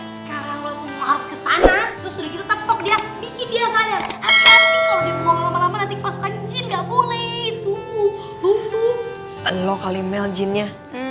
sekarang lo semua harus ke sana